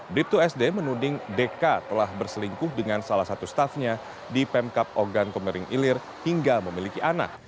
brib dua sd menuding deka telah berselingkuh dengan salah satu staffnya di pemkap ogan komering ilir hingga memiliki anak